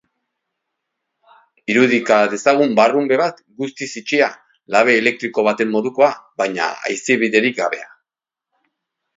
Irudika dezagun barrunbe bat guztiz itxia, labe elektriko baten modukoa, baina haizebiderik gabea.